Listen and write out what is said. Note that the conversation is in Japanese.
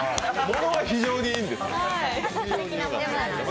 ものは非常にいいんですよ。